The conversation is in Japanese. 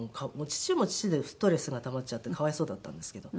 父も父でストレスがたまっちゃって可哀想だったんですけど。